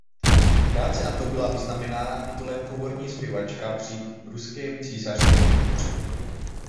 Krátce nato byla vyznamenána titulem komorní zpěvačka při pruském císařském dvoře.